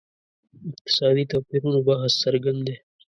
اقتصادي توپیرونو بحث څرګند دی.